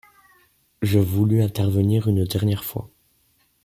Je voulus intervenir une dernière fois.